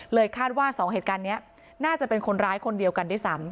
คาดว่า๒เหตุการณ์นี้น่าจะเป็นคนร้ายคนเดียวกันด้วยซ้ำ